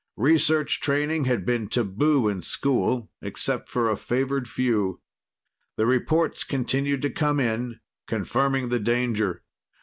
Research training had been taboo in school, except for a favored few. The reports continued to come in, confirming the danger.